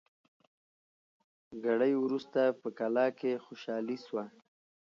ګړی وروسته په کلا کي خوشالي سوه